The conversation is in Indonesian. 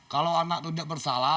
kalau anak itu tidak bersalah